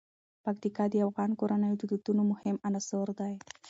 پکتیکا د افغان کورنیو د دودونو مهم عنصر دی.